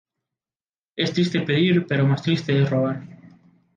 Es triste pedir, pero más triste es robar